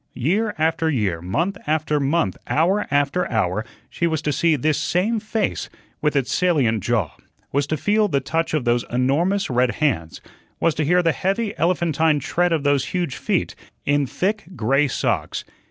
Year after year, month after month, hour after hour, she was to see this same face, with its salient jaw, was to feel the touch of those enormous red hands, was to hear the heavy, elephantine tread of those huge feet in thick gray socks.